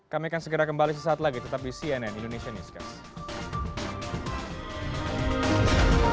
kami akan segera kembali sesaat lagi tetap di cnn indonesia newscast